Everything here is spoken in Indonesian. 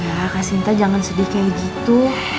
ya kak sinta jangan sedih kayak gitu